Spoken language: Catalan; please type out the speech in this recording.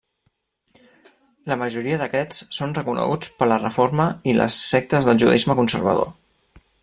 La majoria d'aquests són reconeguts per la Reforma i les sectes del judaisme conservador.